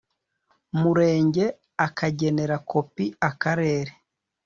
murenge akagenera kopi Akarere